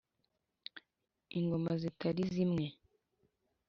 ingoma zitari zimwe